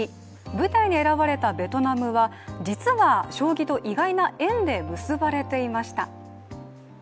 舞台に選ばれたベトナムは実は将棋と意外な縁で結ばれていました。